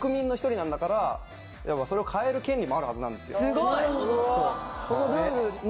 すごい！